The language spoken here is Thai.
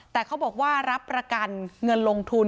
แต่เขาบอกว่ารับประกันเงินลงทุน